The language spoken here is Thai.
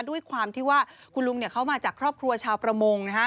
ด้วยความที่ว่าคุณลุงเขามาจากครอบครัวชาวประมงนะฮะ